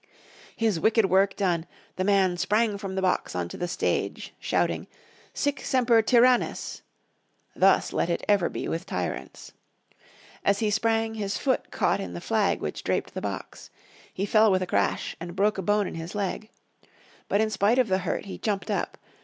His wicked work done, the man sprang from the box on to the stage shouting, "Sic semper tyrannis," "Thus let it ever be with tyrants." As he sprang his foot caught in the flag which draped the box. He fell with a crash and broke a bone in his leg. But in spite of the hurt he jumped up.